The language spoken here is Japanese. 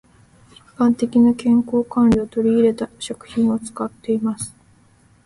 一般的な健康管理を取り入れた食品を使っています。